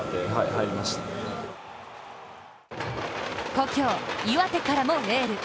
故郷・岩手からもエール。